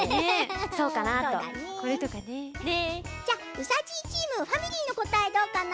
うさじいチームファミリーのこたえどうかな？